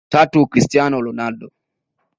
Tatu Christiano Ronaldo